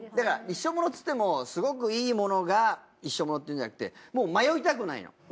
一生ものっつってもすごくいいものが一生ものっていうんじゃなくてもう迷いたくないの。